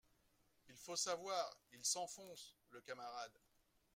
Il faut savoir, Il s’enfonce, le camarade